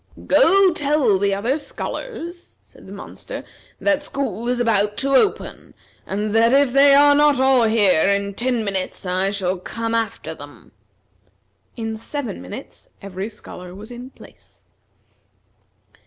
"Go tell the other scholars," said the monster, "that school is about to open, and that if they are not all here in ten minutes, I shall come after them." In seven minutes every scholar was in place.